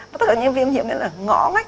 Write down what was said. tất cả những viêm nhiễm đấy là ngõ ngách